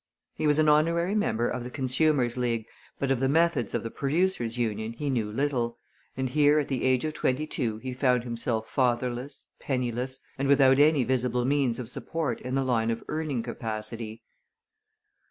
He was an honorary member of the Consumers' League, but of the methods of the Producers' Union he knew little, and here at the age of twenty two he found himself fatherless, penniless, and without any visible means of support in the line of earning capacity.